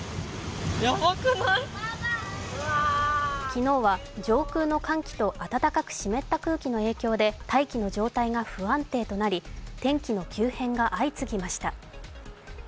昨日は上空の寒気と暖かく湿った空気の影響で大気の状態が不安定となり天気の急変が相次ぎました。